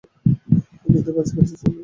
কিন্তু কাজের কাজ তেমন কিছুই হয়নি।